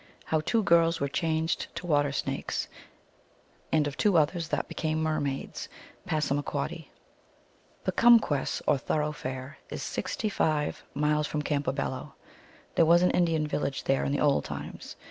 How Two Girls were changed to Water Snakes, and of Two Others that became Mermaids. (Passamaquoddy.) POCUMKWESS, or Thoroughfare, is sixty five miles from Campobello. There was an Indian village there in the old times.